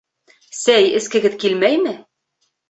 Сәй эскегеҙ килмәйме?